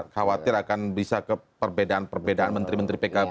khawatir akan bisa ke perbedaan perbedaan menteri menteri pkb